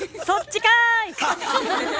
そっちかい！